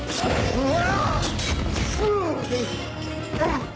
うわ！